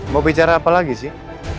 mau bicara apa lagi sih